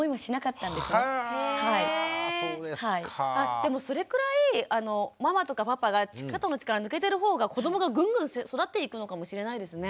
でもそれくらいママとかパパが肩の力抜けてる方が子どもがぐんぐん育っていくのかもしれないですね。